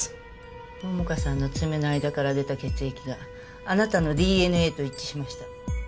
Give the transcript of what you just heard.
桃花さんの爪の間から出た血液があなたのＤＮＡと一致しました。